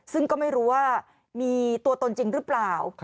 ซึ่งก็ไม่รู้ว่ามีตัวตนจริงหรือเปล่า